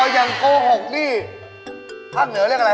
อย่างโกหกนี่ภาคเหนือเรียกอะไร